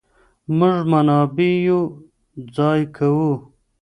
موږ منابع يو ځای کوو.